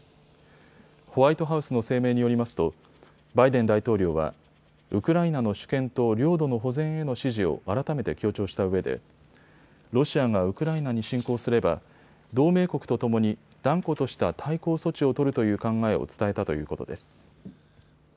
ホワイトハウスの声明によりますとバイデン大統領はウクライナの主権と領土の保全への支持を改めて強調したうえでロシアがウクライナに侵攻すれば同盟国とともに断固とした対抗措置を取るという考えを伝えたということです。